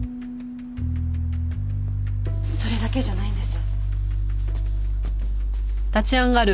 それだけじゃないんです。